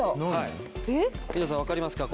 皆さんわかりますか？